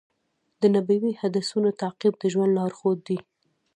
د نبوي حدیثونو تعقیب د ژوند لارښود دی.